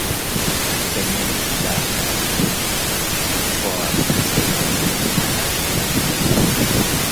katika eneo la Katakokombe kwenye Mkoa wa Kasaimoja Jina lake la kuzaliwa lilikuwa